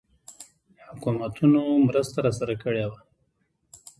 حکومتونو مرسته راسره کړې وه.